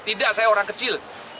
tidak saya orang kecil